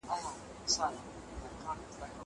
دا د اوښکو تخم به مېوه کوي